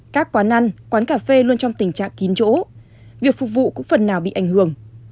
các quán ăn quán cà phê luôn trong tình trạng kín chỗ việc phục vụ cũng phần nào bị ảnh hưởng